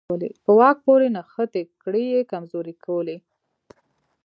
په واک پورې نښتې کړۍ یې کمزورې کولې.